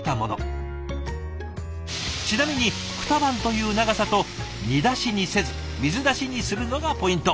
ちなみに２晩という長さと煮出しにせず水出しにするのがポイント。